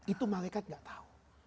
itu malaikat gak tahu